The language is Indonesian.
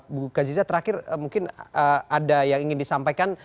bu kaziza terakhir mungkin ada yang ingin disampaikan